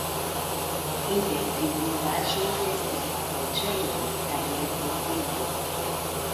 Inter vidindaĵoj estas la preĝejoj kaj ermitejo.